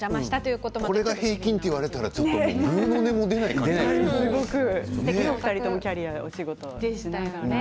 これが平均と言われたらぐうの音も出ないですよね。